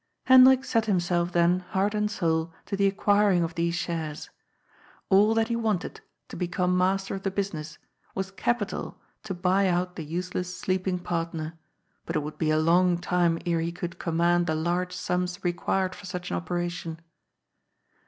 Hendrik set himself then, heart and soul, to the ac quiring of these shares. All that he wanted, to become master of the business, was capital to buy out the useless sleeping partner, but it would be a long time ere he could command the large sums required for such an operation.